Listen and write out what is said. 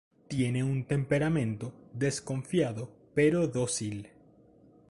Tiene un temperamento desconfiado pero dócil.